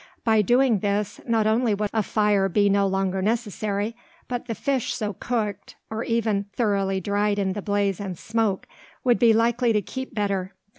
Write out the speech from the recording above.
By doing this, not only would a fire be no longer necessary, but the fish so cooked, or even thoroughly dried in the blaze and smoke, would be likely to keep better.